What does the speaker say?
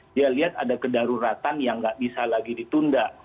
dia lihat ada kedaruratan yang nggak bisa lagi ditunda